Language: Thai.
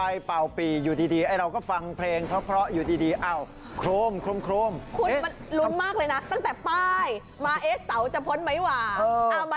ให้สิ่งเลวร้ายที่มีนั้นดีขึ้นใหม่